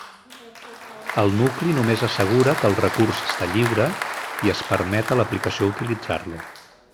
El nucli només assegura que el recurs està lliure i es permet a l'aplicació utilitzar-lo.